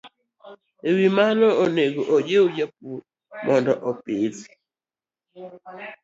E wi mano, onego ojiw jopur mondo opidh